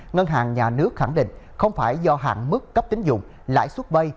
ngân hàng nhà nước khẳng định không phải do hạn mức cấp tính dụng lãi suất vay